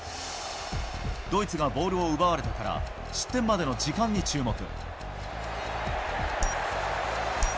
ドイツがボールを奪われてから失点までの時間に注目。